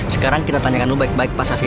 sekarang kita tanyakan lu baik baik pak shafi'i